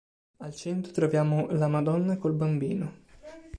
Al centro troviamo la "Madonna col Bambino".